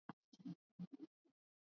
Amevaa miwani kwa muda mrefu.